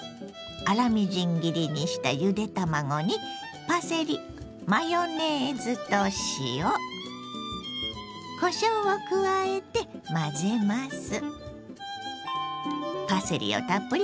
粗みじん切りにしたゆで卵にパセリマヨネーズと塩こしょうを加えて混ぜます。